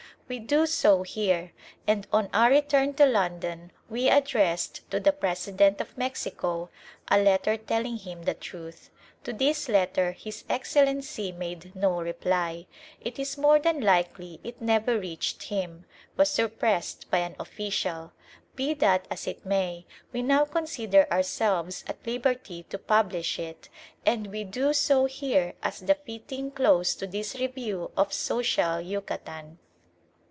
We do so here, and on our return to London we addressed to the President of Mexico a letter telling him the truth. To this letter His Excellency made no reply. It is more than likely it never reached him, was suppressed by an official. Be that as it may, we now consider ourselves at liberty to publish it, and we do so here as the fitting close to this review of social Yucatan.